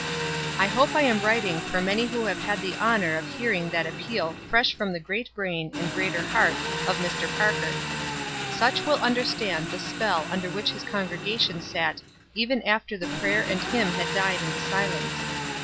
I hope I am writing for many who have had the honor of hearing that appeal fresh from the great brain and greater heart of Mr. Parker. Such will understand the spell under which his congregation sat even after the prayer and hymn had died into silence.